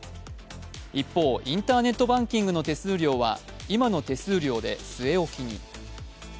一方、インターネットバンキングの手数料は今の手数料で据え置きに。